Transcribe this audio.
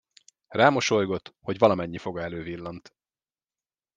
Rámosolygott, hogy valamennyi foga elővillant.